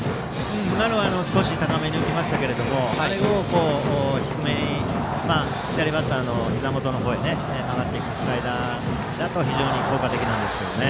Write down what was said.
今のは少し高めに浮きましたがあれを低めに左バッターのひざ元へ曲がっていくスライダーだと非常に効果的ですね。